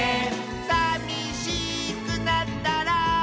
「さみしくなったら」